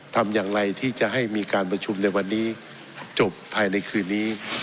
ทำอย่างไรที่จะให้มีการประชุมในวันนี้จบภายในคืนนี้